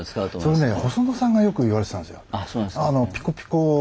それね細野さんがよく言われてたんですよ。